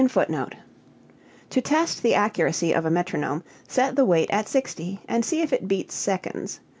[Footnote 25: To test the accuracy of a metronome, set the weight at 60 and see if it beats seconds.